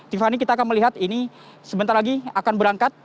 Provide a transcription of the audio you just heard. tiffany kita akan melihat ini sebentar lagi akan berangkat